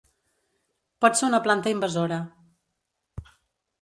Pot ser una planta invasora.